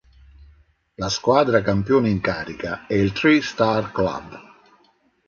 La squadra campione in carica è il Three Star Club.